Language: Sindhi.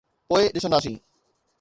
پوءِ ڏسنداسين.